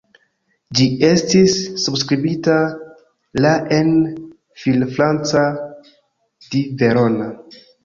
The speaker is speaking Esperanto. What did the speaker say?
Ĝi estis subskribita la en Villafranca di Verona.